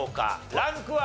ランクは？